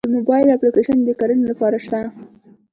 د موبایل اپلیکیشن د کرنې لپاره شته؟